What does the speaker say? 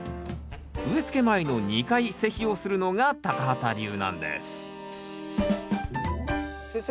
植えつけ前の２回施肥をするのが畑流なんです先生